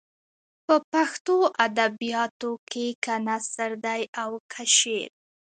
په پښتو ادبیاتو کې که نثر دی او که شعر.